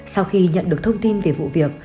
sau khi nhận được thông tin về vụ việc